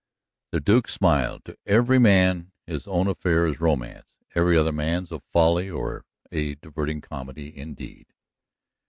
The Duke smiled. To every man his own affair is romance; every other man's a folly or a diverting comedy, indeed.